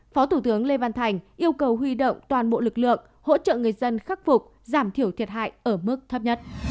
phó thủ tướng lê văn thành yêu cầu huy động toàn bộ lực lượng hỗ trợ người dân khắc phục giảm thiểu thiệt hại ở mức thấp nhất